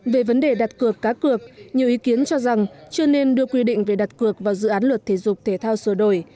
về vấn đề đặt cược cá cược nhiều ý kiến cho rằng chưa nên đưa quy định về đặt cược vào dự án luật thể dục thể thao sửa đổi